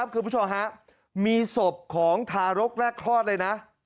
คุณผู้ชมฮะมีศพของทารกแรกคลอดเลยนะ